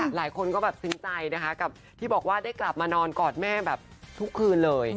หลายคนก็แบบซึ้งใจนะคะกับที่บอกว่าได้กลับมานอนกอดแม่แบบทุกคืนเลย